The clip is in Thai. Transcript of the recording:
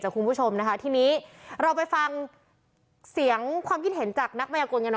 จากคุณผู้ชมนะคะทีนี้เราไปฟังเสียงความคิดเห็นจากนัก